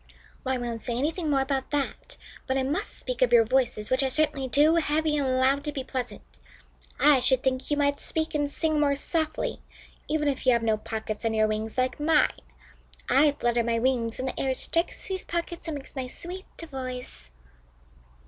"Well, I won't say anything more about that, but I must speak of your voices, which are certainly too heavy and loud to be pleasant. I should think you might speak and sing more softly, even if you have no pockets under your wings like mine. I flutter my wings, and the air strikes these pockets and makes my sweet voice."